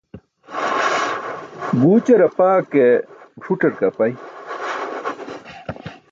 Guućar apaa ke guṣuc̣ar ke apai.